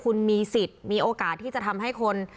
คุณมีสิทธิ์มีโอกาสที่จะทำให้คน